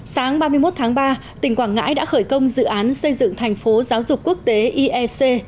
sáng ba mươi một tháng ba tỉnh quảng ngãi đã khởi công dự án xây dựng thành phố giáo dục quốc tế iec